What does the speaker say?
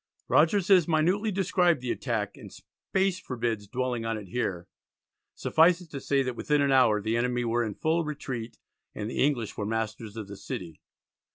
Rogers has minutely described the attack, and space forbids dwelling on it here; suffice it to say that within an hour the enemy were in full retreat and the English were masters of the city.